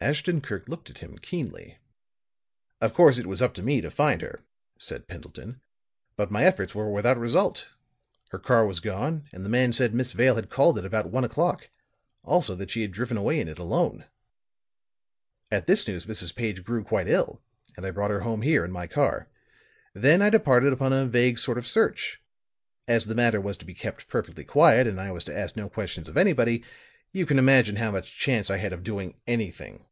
Ashton Kirk looked at him keenly. "Of course it was up to me to find her," said Pendleton; "but my efforts were without result. Her car was gone, and the man said Miss Vale had called it about one o'clock; also that she had driven away in it alone. "At this news Mrs. Page grew quite ill, and I brought her home here in my car. Then I departed upon a vague sort of search. As the matter was to be kept perfectly quiet and I was to ask no questions of anybody, you can imagine how much chance I had of doing anything.